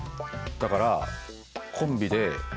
だからあ！